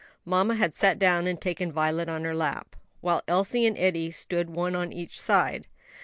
'" Mamma had sat down and taken Violet on her lap, while Elsie and Eddie stood one on each side.